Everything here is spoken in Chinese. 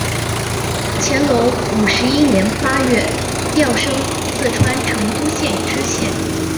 乾隆五十一年八月调升四川成都县知县。